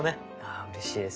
あうれしいです。